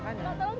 yang ini yang ini